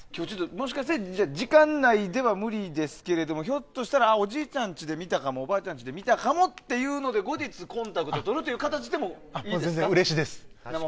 もしかして時間内では無理ですけどもひょっとしたらおじいちゃんちで見たかもおばあちゃんちで見たかもってなったら後日、コンタクトとるという形でもいいですか。